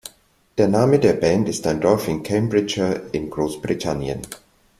Der Name der Band ist ein Dorf in Cambridgeshire in Großbritannien.